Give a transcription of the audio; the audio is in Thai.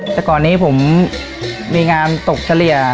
แต่ก่อนนี้ผมมีงานตกเฉลี่ย